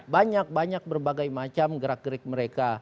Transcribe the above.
mereka harus berbagai macam gerak gerik mereka